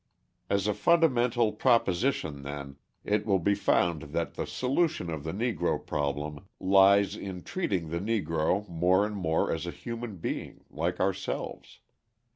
As a fundamental proposition, then, it will be found that the solution of the Negro problem lies in treating the Negro more and more as a human being like ourselves.